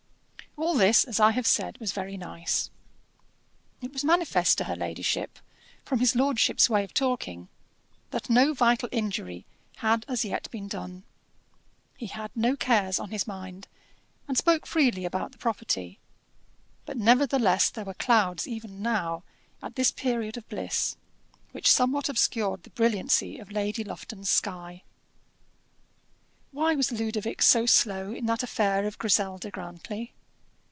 All this, as I have said, was very nice. It was manifest to her ladyship, from his lordship's way of talking, that no vital injury had as yet been done: he had no cares on his mind, and spoke freely about the property: but nevertheless there were clouds even now, at this period of bliss, which somewhat obscured the brilliancy of Lady Lufton's sky. Why was Ludovic so slow in that affair of Griselda Grantly?